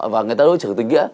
và người ta đối xử tình nghĩa